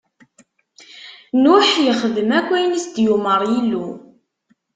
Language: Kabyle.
Nuḥ ixdem ayen akk i s-d-yumeṛ Yillu.